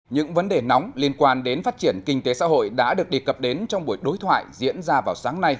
những vấn đề nóng liên quan đến phát triển kinh tế xã hội đã được đề cập đến trong buổi đối thoại diễn ra vào sáng nay